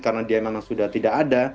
karena dia memang sudah tidak ada